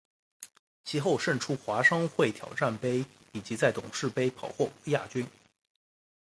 其后胜出华商会挑战杯以及在董事杯跑获亚军。